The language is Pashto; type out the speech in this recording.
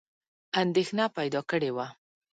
اندېښنه پیدا کړې وه.